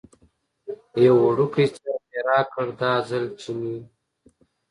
یو وړوکی څرخ یې راکړ، دا ځل چې مې.